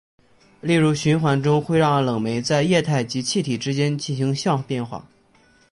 例如循环中会让冷媒在液态及气体之间进行相变化。